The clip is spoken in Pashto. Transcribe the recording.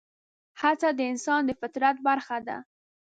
هڅه د انسان د فطرت برخه ده.